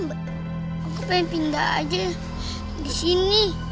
aku pengen pindah aja disini